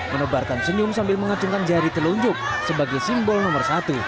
menebarkan senyum sambil mengacungkan jari telunjuk sebagai simbol nomor satu